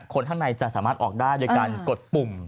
คนข้างในจะสามารถออกได้โดยการกดปุ่ม